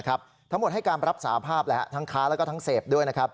ทั้งหมดให้การรับสาภาพทั้งค้าและเศษฐ์ด้วย